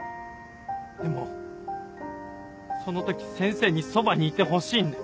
でもその時先生にそばにいてほしいんだ。